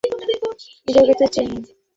এই জায়গাটা চেনো?